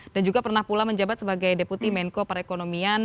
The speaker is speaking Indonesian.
dan juga pernah pula menjabat sebagai deputi menko perekonomian